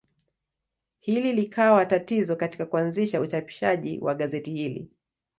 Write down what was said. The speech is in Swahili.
Hili likawa tatizo katika kuanzisha uchapishaji wa gazeti hili.